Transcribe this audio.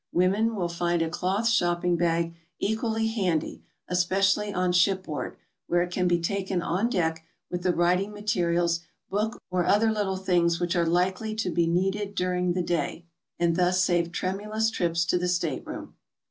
Women will find a cloth shopping bag equally handy, especially on shipboard, where it can be taken on deck with the writing materials, book, or other little things which are likely to be needed during the day, ajid thus save tremulous trips to the stateroom.